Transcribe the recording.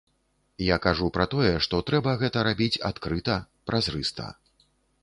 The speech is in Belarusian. Я кажу пра тое, што трэба гэта рабіць адкрыта, празрыста.